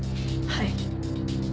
はい。